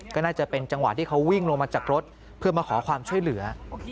ก็น่าจะเป็นจังหวะที่เขาวิ่งลงมาจากรถเพื่อมาขอความช่วยเหลือ